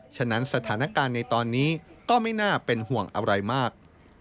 ฉะนั้นสถานการณ์ในตอนนี้ก็ไม่น่าเป็นห่วงอะไรมาก